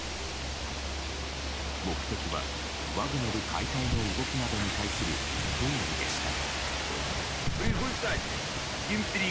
目的はワグネル解体の動きなどに対する抗議でした。